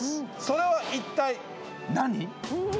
それは一体何？